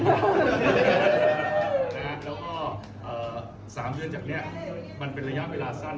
นะครับแล้วก็เอ่อสามเดือนจากเนี้ยมันเป็นระยะเวลาสั้น